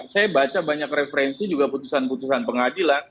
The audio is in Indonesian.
saya baca banyak referensi juga putusan putusan pengadilan